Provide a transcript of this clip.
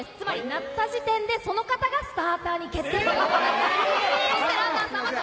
なった時点で、その方がスターターに決定ということになります。